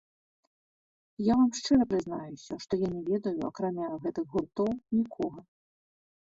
Я вам шчыра прызнаюся, што я не ведаю, акрамя гэтых гуртоў, нікога.